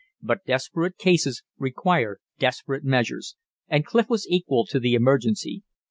But desperate cases require desperate measures, and Clif was equal to the emergency.